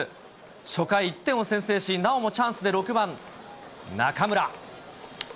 初回、１点を先制し、なおもチャンスで６番中村。